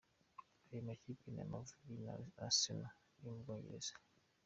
Ayo makipe ni Amavubi na Arsenal yo mu Bwongereza.